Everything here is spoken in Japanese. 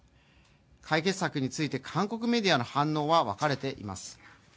解決策について韓国メディアの反応は分かれています。